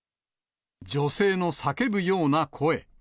女性の叫ぶような声。